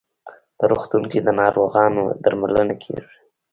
په روغتون کې د ناروغانو درملنه کیږي.